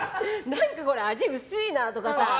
何かこれ、味薄いなとか。